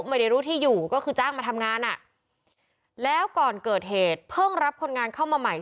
ไม่ได้รู้ที่อยู่ก็คือจ้างมาทำงานอ่ะแล้วก่อนเกิดเหตุเพิ่งรับคนงานเข้ามาใหม่